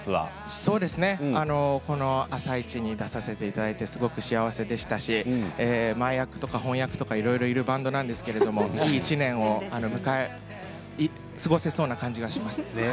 そうですね「あさイチ」に出させていただいてすごく幸せでしたし前厄、本厄いろいろいるバンドなんですけれどもいい１年を過ごせそうな感じがします。